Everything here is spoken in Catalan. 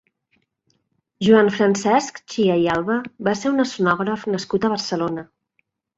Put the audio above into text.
Joan Francesc Chia i Alba va ser un escenògraf nascut a Barcelona.